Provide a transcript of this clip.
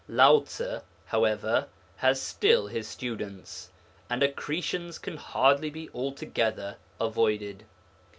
Lao Tze, however, has still his students, and accretions can hardly be altogether avoided.